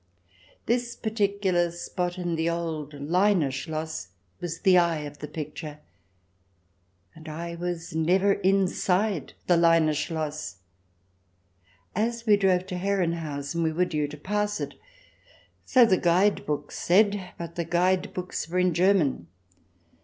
This particular spot in the old Leine Schloss was the eye of the picture, and — I was never inside the Leine Schloss ! As we drove to Herrenhausen we were due to pass it, so the guide books said, but the guide books were in German.